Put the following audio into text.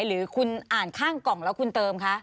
หรือคุณอ่านข้างกล่องแล้วคุณเติมคะ